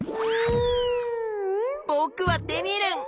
ぼくはテミルン！